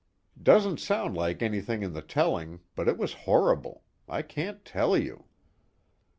Doesn't sound like anything in the telling, but it was horrible I can't tell you.